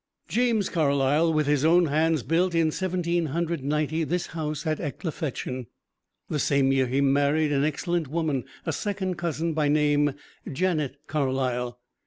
James Carlyle with his own hands built, in Seventeen Hundred Ninety, this house at Ecclefechan. The same year he married an excellent woman, a second cousin, by name Janet Carlyle.